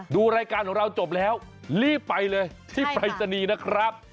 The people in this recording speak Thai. ดูรายการของเราจบแล้วรีบไปเลยที่ปรายศนีย์นะครับ